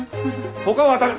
ほかを当たる。